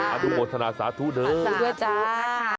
อันทุกโมทนาสาธุเดิมด้วยจ้า